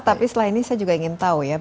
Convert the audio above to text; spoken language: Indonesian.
tapi setelah ini saya juga ingin tahu ya